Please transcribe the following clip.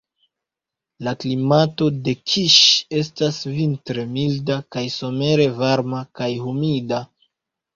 La klimato de Kiŝ estas vintre milda kaj somere varma kaj humida.